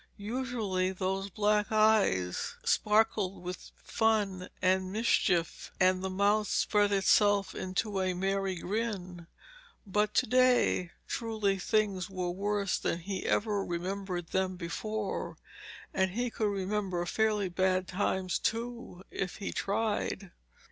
Usually those black eyes sparkled with fun and mischief, and the mouth spread itself into a merry grin. But to day, truly things were worse than he ever remembered them before, and he could remember fairly bad times, too, if he tried.